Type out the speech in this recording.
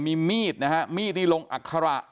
มีมีดนะฮะมีดที่ลงอัคระ